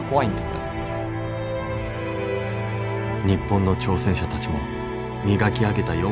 日本の挑戦者たちも磨き上げた